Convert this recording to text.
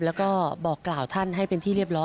แล้วก็บอกกล่าวท่านให้เป็นที่เรียบร้อย